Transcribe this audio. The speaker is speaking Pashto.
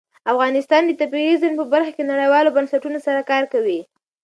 افغانستان د طبیعي زیرمې په برخه کې نړیوالو بنسټونو سره کار کوي.